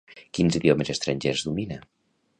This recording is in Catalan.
Quins idiomes estrangers domina?